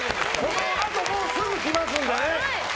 このあとすぐ来ますのでね。